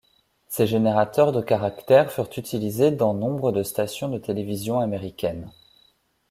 Ces générateurs de caractères furent utilisés dans nombre de stations de télévision américaines.